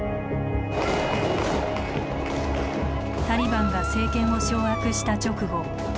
タリバンが政権を掌握した直後。